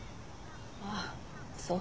あぁそう。